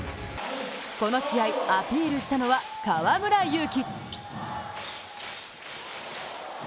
この試合、アピールしたのは河村勇輝。